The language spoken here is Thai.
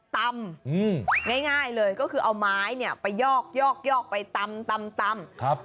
ตำง่ายเลยก็คือเอาไม้เนี่ยไปยอกไปตำ